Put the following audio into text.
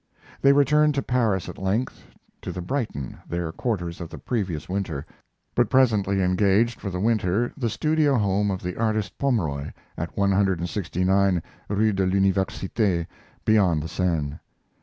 They returned to Paris at length to the Brighton; their quarters of the previous winter but presently engaged for the winter the studio home of the artist Pomroy at 169 rue de l'Universite, beyond the Seine.